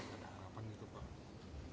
ada harapan gitu pak